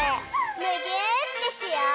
むぎゅーってしよう！